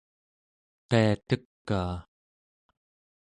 qiatekaa